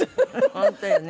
本当よね。